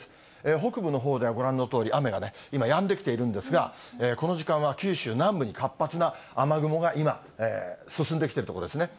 北部のほうではご覧のとおり、雨が今、やんできているんですが、この時間は九州南部に活発な雨雲が今、進んできてるとこですね。